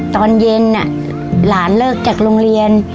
ตอนเย็นหลานเลิกจากโรงเรียน